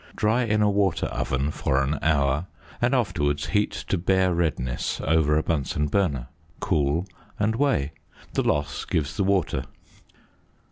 Dry in a water oven for an hour, and afterwards heat to bare redness over a Bunsen burner. Cool, and weigh. The loss gives the water.